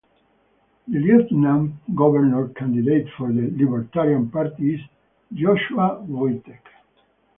The lieutenant governor candidate for the Libertarian party is Joshua Voytek.